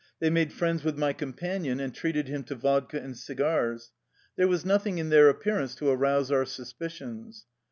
They made friends with my companion and treated him to vodka and cigars. There was nothing in their appearance to arouse our suspicions.